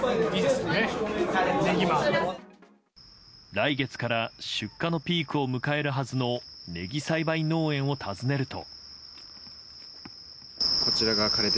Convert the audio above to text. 来月から出荷のピークを迎えるはずのネギ栽培農園を訪ねると。